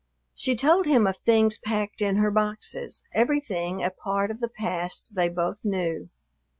She told him of things packed in her boxes, everything a part of the past they both knew.